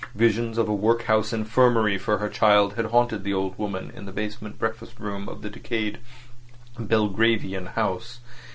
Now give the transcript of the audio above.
Visions of a workhouse infirmary for her child had haunted the old woman in the basement breakfast room of the decayed Belgravian house.